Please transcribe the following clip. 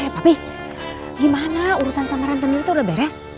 papi gimana urusan sama rentennya itu udah beres